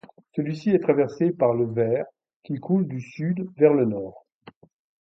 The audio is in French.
Celui-ci est traversé par le Vair qui coule du sud vers le nord.